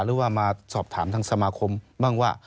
หรือว่ามาสอบถามทางสมาคมบ้างว่า